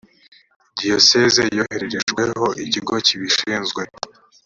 dosiye yohererejweho ikigo kibishinzwe